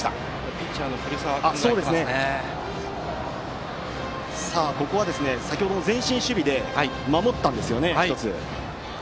ピッチャーの古澤君がここは先程も前進守備で守ったんですよね、１つ。